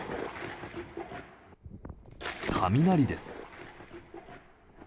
雷です。